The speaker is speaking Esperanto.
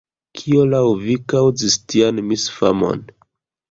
Kio laŭ vi kaŭzis tian misfamon?